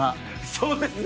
そうですね。